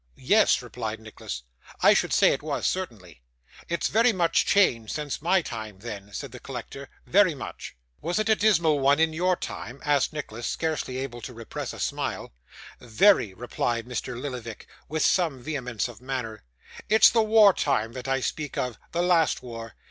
'Yes,' replied Nicholas, 'I should say it was, certainly.' 'It's very much changed since my time, then,' said the collector, 'very much.' 'Was it a dismal one in your time?' asked Nicholas, scarcely able to repress a smile. 'Very,' replied Mr. Lillyvick, with some vehemence of manner. 'It's the war time that I speak of; the last war.